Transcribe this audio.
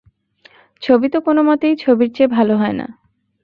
ছবি তো কোনোমতেই ছবির চেয়ে ভালো হয় না।